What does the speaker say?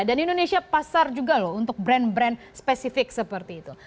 indonesia pasar juga loh untuk brand brand spesifik seperti itu